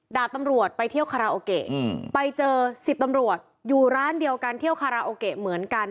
ดาบตำรวจไปเที่ยวคาราโอเกะไปเจอ๑๐ตำรวจอยู่ร้านเดียวกันเที่ยวคาราโอเกะเหมือนกัน